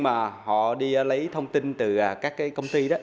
mà họ đi lấy thông tin từ các công ty